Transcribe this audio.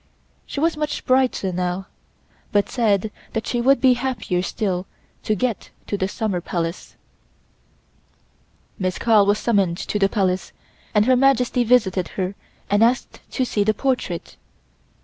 She was much brighter now, but said that she would be happier still to get to the Summer Palace. Miss Carl was summoned to the Palace, and Her Majesty visited her and asked to see the portrait.